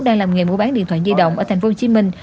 đang làm nghề mua bán điện thoại di động ở tp hcm